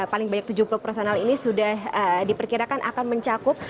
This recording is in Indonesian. paling banyak tujuh puluh personel ini sudah diperkirakan akan mencakup